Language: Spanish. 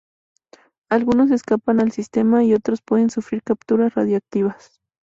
Algunos escapan al sistema, y otros pueden sufrir capturas radioactivas.